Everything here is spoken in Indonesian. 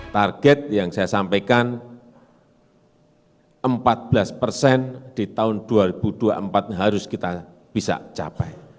target yang saya sampaikan empat belas persen di tahun dua ribu dua puluh empat harus kita bisa capai